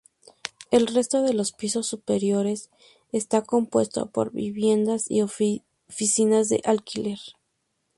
El resto de los pisos superiores está compuesto por viviendas y oficinas de alquiler.